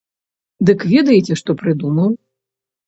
Дык ведаеце, што прыдумаў?